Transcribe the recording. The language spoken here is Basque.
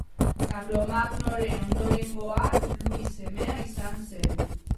Karlomagnoren ondorengoa Luis semea izan zen.